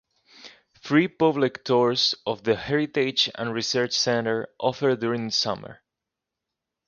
Free public tours of the Heritage and Research Center offered during summer.